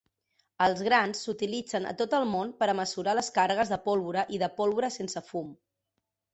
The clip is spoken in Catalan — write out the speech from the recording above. Els grans s'utilitzen a tot el món per a mesurar les càrregues de pólvora i de pólvora sense fum.